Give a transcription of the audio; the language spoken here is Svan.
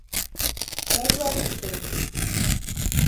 მა̈ჲ გვა̈რიშ ხი?